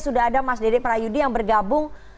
sudah ada mas dede prayudi yang bergabung